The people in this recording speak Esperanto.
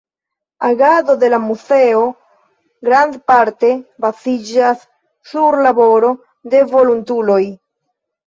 Agado de la muzeo grandparte baziĝas sur laboro de volontuloj.